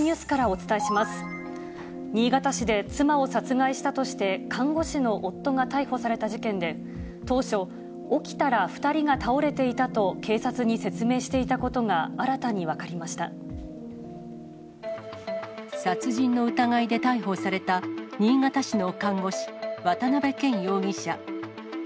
新潟市で妻を殺害したとして、看護師の夫が逮捕された事件で、当初、起きたら２人が倒れていたと、警察に説明していたことが新たに殺人の疑いで逮捕された、新潟市の看護師、渡辺健容疑者。